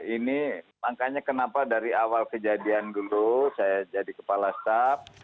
ini makanya kenapa dari awal kejadian dulu saya jadi kepala staf